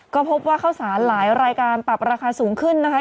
ก็พบว่าข้าวสารหลายรายการปรับราคาสูงขึ้นนะคะ